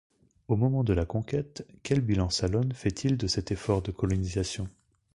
Au moment de la Conquête, quel bilan Salone fait-il de cet effort de colonisation?